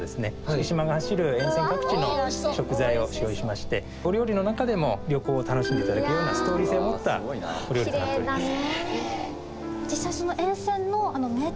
四季島が走る沿線各地の食材を使用しましてお料理の中でも旅行を楽しんで頂けるようなストーリー性を持ったお料理となっております。